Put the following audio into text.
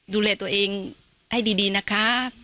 ดูแลตัวเองให้ดีนะคะ